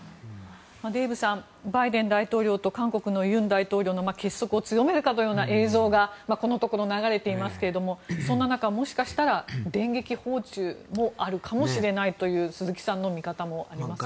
デーブさんバイデン大統領と韓国の尹大統領の結束を強めるかのような映像がこのところ流れていますけれどもそんな中もしかしたら電撃訪中もあるかもしれないという鈴木さんの見方もありますが。